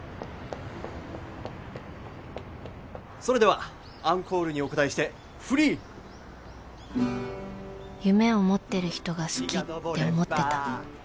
それではアンコールにお応えして『フリー』夢を持ってる人が好きって思ってた